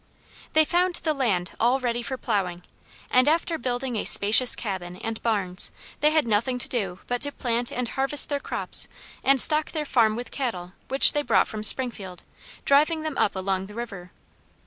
They found the land all ready for ploughing, and after building a spacious cabin and barns, they had nothing to do but to plant and harvest their crops and stock their farm with cattle which they brought from Springfield, driving them up along the river.